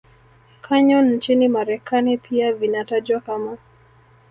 Canyon nchini Marekani pia vinatajwa kama